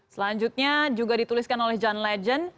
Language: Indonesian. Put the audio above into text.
selanjutnya juga dituliskan oleh john legend